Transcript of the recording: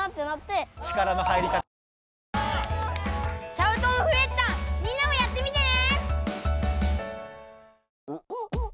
チャウトンフエッタンみんなもやってみてね！